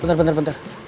bentar bentar bentar